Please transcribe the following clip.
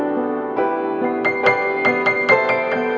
aku gak dengerin kata kata kamu mas